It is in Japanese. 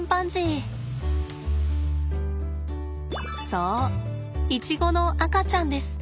そうイチゴの赤ちゃんです。